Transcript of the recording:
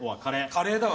カレーだわ。